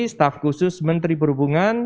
staf khusus menteri perhubungan